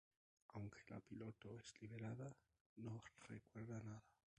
Aunque la piloto es liberada, no recuerda nada.